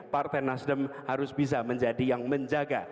partai nasdem harus bisa menjadi yang menjaga